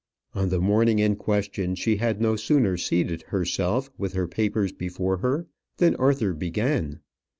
On the morning in question, she had no sooner seated herself, with her papers before her, than Arthur began.